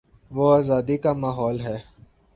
وہ آزادی کا ماحول ہے۔